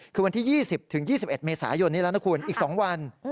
คือวันที่๒๐๒๑เมษายนนี้แล้วนะคุณอีก๒วัน